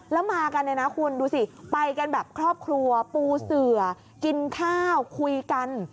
แล้วมากันเนี่ยนะคุณดูสิไปกันแบบครอบครัวปูเสือกินข้าวคุยกัน